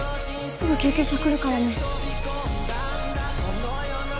すぐ救急車来るからね。